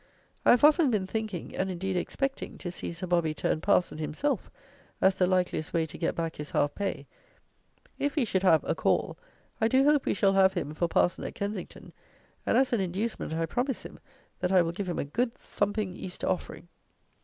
I have often been thinking, and, indeed, expecting, to see Sir Bobby turn parson himself, as the likeliest way to get back his half pay. If he should have "a call," I do hope we shall have him, for parson at Kensington; and, as an inducement, I promise him, that I will give him a good thumping Easter offering.